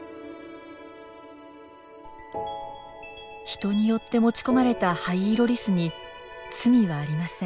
人によって持ち込まれたハイイロリスに罪はありません。